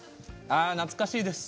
ああ懐かしいです。